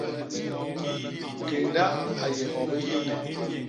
Kénda a yé hyobi hi nne.